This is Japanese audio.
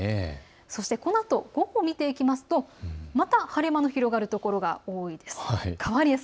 このあと午後を見ていくとまた晴れ間の広がる所が多いです。